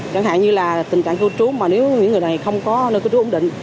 chẳng hạn như là tình trạng cư trú mà nếu những người này không có nơi cư trú ổn định